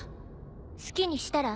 好きにしたら。